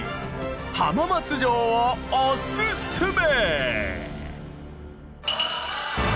浜松城をおすすめ！